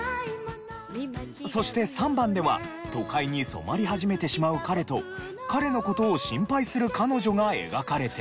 そして３番では都会に染まり始めてしまう彼と彼の事を心配する彼女が描かれている。